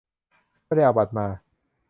ไม่ได้เอาบัตรมา